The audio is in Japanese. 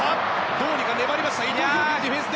どうにか粘りました伊藤洋輝のディフェンス。